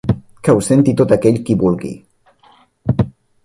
Que ho senti tot aquell qui vulgui.